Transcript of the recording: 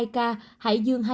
hai ca hải dương